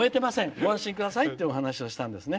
ご安心くださいって話をしたんですね。